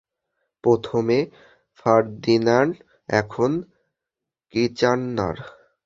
প্রথমে ফার্দিন্যান্দ, এখন কিচ্যানার!